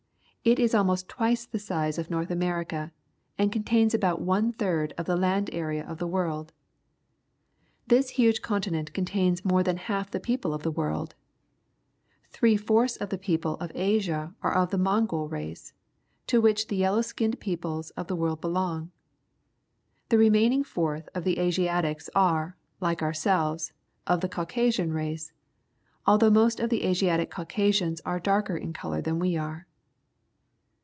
It is almost twice the size of North America, and contains about one third of the land area of the world. This huge continent contains more than half the people of the whole world. Three fourths of the people of Asia are of the Mongols racCj to which the yellow skinned peoples of the world belong. The remaining fourth of the Asiatics are, like ourselves, of the Cau^ c asian race, although most of the Asiatic Caucasians are darker in colour than we are.